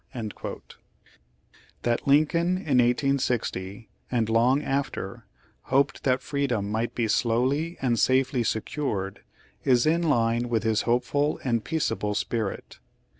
^ That Lincoln in 1860, and long after, hoped that freedom might be slowly and safely secured is in line with his hopeful and peaceable spirit.